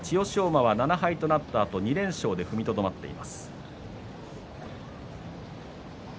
馬は７敗となったあと２連勝で踏みとどまっています。